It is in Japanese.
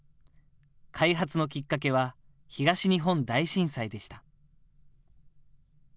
開発のきっかけは東日本大震災でした。